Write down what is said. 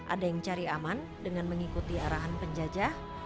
ada yang cari aman dengan mengikuti arahan penjajah